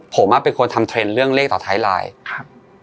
ผมอ่ะเป็นคนทำเทรนด์เรื่องเลขต่อท้ายไลน์ครับ